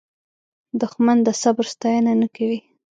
دښمن د صبر ستاینه نه کوي